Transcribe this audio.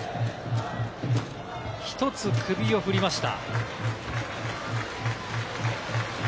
一つ、首を振りました。